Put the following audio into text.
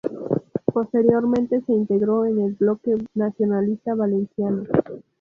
Posteriormente se integró en el Bloque Nacionalista Valenciano.